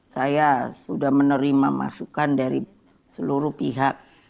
saya sudah menerima masukan dari seluruh pihak